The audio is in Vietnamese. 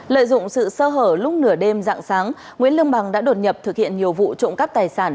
lợi dụng sự sơ hở lúc nửa đêm dạng sáng nguyễn lương bằng đã đột nhập thực hiện nhiều vụ trộm cắp tài sản